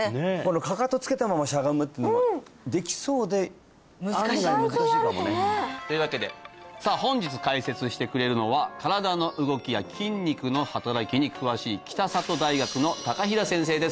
かかとつけたまましゃがむっていうのもできそうで案外難しいかもね意外とやるとねというわけでさあ本日解説してくれるのは身体の動きや筋肉の働きに詳しい北里大学の高平先生です